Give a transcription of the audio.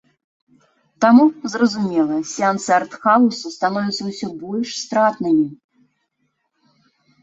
Таму, зразумела, сеансы арт-хаўсу становяцца ўсё больш стратнымі.